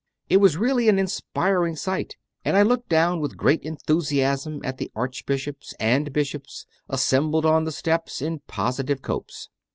It was really an inspiriting sight, and I looked down with great enthusiasm at the Archbishops and Bishops, assembled on the steps, in positive copes.